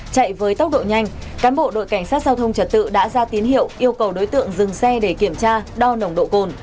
chạy với tốc độ nhanh cán bộ đội cảnh sát giao thông trật tự đã ra tín hiệu yêu cầu đối tượng dừng xe để kiểm tra đo nồng độ cồn